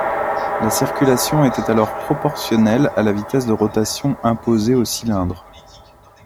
La circulation était alors proportionnelle à la vitesse de rotation imposée au cylindre.